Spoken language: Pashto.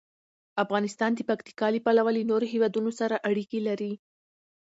افغانستان د پکتیکا له پلوه له نورو هېوادونو سره اړیکې لري.